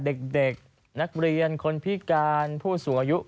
เด็กนักเรียนคนพิการผู้สูงอายุ